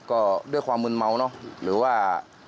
ก็ด้วยความเมินเมาหรือว่า